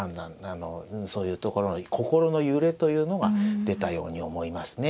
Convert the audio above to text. あのそういうところに心の揺れというのが出たように思いますね。